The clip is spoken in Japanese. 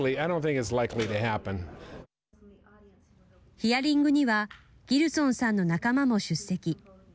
ヒアリングにはギルソンさんの仲間も出席。